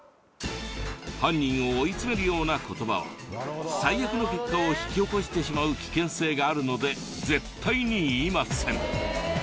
犯人を追い詰めるような言葉は最悪の結果を引き起こしてしまう危険性があるので絶対に言いません。